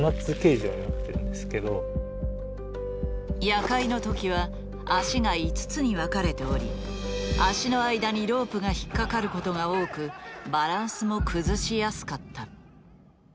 夜会の時は脚が５つに分かれており脚の間にロープが引っ掛かることが多くバランスも崩しやすかった。